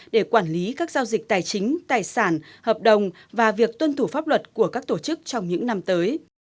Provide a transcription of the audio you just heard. để quản lý các giao dịch tài chính tài sản hợp đồng và việc tuân thủ pháp luật của các tổ chức trong những năm tới